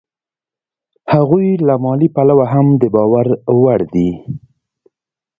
هغوی له مالي پلوه هم د باور وړ دي